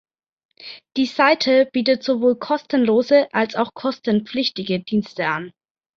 Die Seite bietet sowohl kostenlose als auch kostenpflichtige Dienste an.